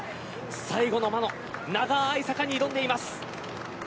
最後の魔の長い坂に挑んでいきます。